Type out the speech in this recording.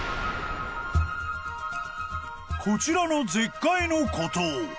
［こちらの絶海の孤島］